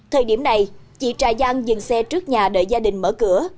thời điểm này chị trà giang dừng xe trước nhà đợi gia đình mở cửa